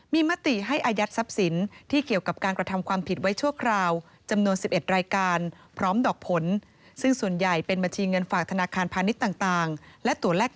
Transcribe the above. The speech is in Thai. มีมติให้อายัดทรัพย์สินที่เกี่ยวกับการกระทำความผิดไว้ชั่วคราวจำนวน๑๑รายการพร้อมดอกผล